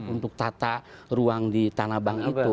untuk tata ruang di tanah bank itu